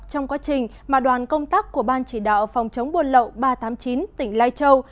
trong quá trình mà đoàn công tác của ban chỉ đạo phòng chống buôn lậu ba trăm tám mươi chín tỉnh lai châu